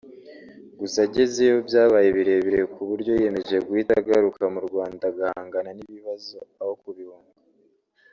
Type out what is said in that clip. gusa agezeyo byabaye birebire ku buryo yiyemeje guhita agaruka mu Rwanda agahangana n’ibibazo aho kubihunga